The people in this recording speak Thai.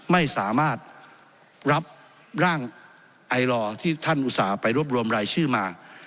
ไม่สามารถรับร่างไอลอที่ท่านอุตส่าห์ไปรวบรวมรายชื่อมา